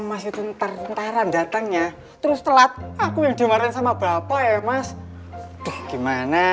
masih tentara tentara datangnya terus telat aku yang dimarahin sama bapak ya mas gimana